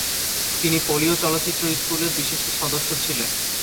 তিনি পোলীয় চলচ্চিত্র স্কুলের বিশিষ্ট সদস্য ছিলেন।